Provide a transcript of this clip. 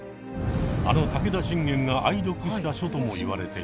あの武田信玄が愛読した書とも言われています。